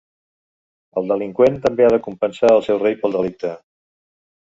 El delinqüent també ha de compensar al seu rei pel delicte.